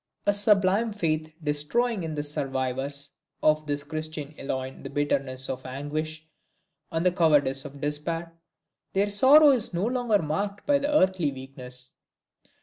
A sublime faith destroying in the survivors of this Christian Ilion the bitterness of anguish and the cowardice of despair, their sorrow is no longer marked by earthly weakness.